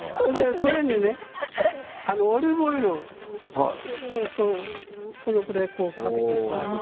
これにオリーブオイルをこのくらいかけていただくと。